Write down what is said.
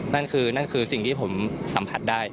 นั่นคือสิ่งที่ผมสัมผัสได้